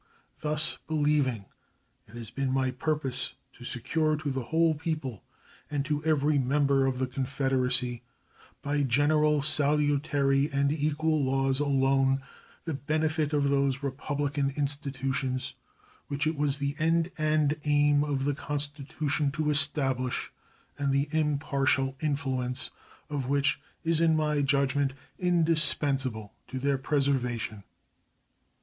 Thus believing, it has been my purpose to secure to the whole people and to every member of the Confederacy, by general, salutary, and equal laws alone, the benefit of those republican institutions which it was the end and aim of the Constitution to establish, and the impartial influence of which is in my judgment indispensable to their preservation.